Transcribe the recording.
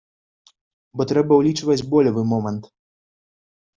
Бо трэба ўлічваць болевы момант.